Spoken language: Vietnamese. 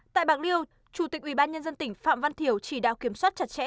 tại bạc liêu chủ tịch ubnd tỉnh phạm văn thiểu chỉ đạo kiểm soát chặt chẽ